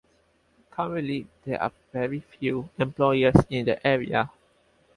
Currently there are very few employers in the area.